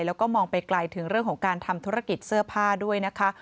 แล้วก็มองไปไกลถึงเรื่องของการทำธุรกิจเสื้อผ้าด้วยนะคะ